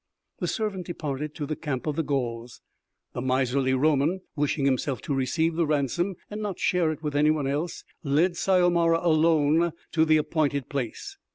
The servant departed to the camp of the Gauls. The miserly Roman, wishing himself to receive the ransom and not share it with anyone else, led Syomara alone to the appointed place.